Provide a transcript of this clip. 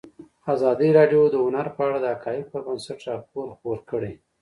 ازادي راډیو د هنر په اړه د حقایقو پر بنسټ راپور خپور کړی.